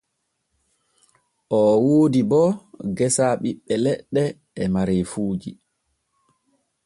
O woodi bo geesa ɓiɓɓe leɗɗe e mareefuuji.